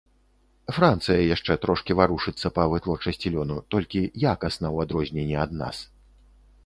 Францыя яшчэ трошкі варушыцца па вытворчасці лёну, толькі якасна ў адрозненне ад нас.